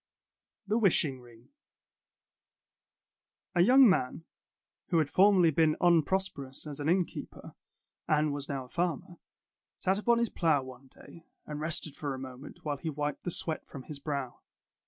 THE WISHING RING A young man, who had formerly been unprosperous as an innkeeper, and was now a farmer, sat upon his plow one day, and rested for a moment, while he wiped the sweat from his brow.